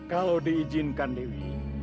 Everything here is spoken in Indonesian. kalau diizinkan dewi